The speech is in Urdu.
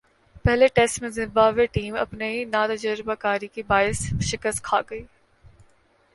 پہلے ٹیسٹ میں زمبابوے ٹیم اپنی ناتجربہ کاری کے باعث شکست کھاگئی ۔